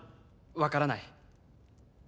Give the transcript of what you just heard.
分からない